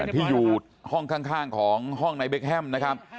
ที่อยู่ห้องข้างของห้องนายเบคแฮมนะครับ